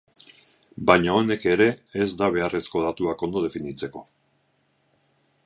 Baina honek ere ez da beharrezko datuak ondo definitzeko.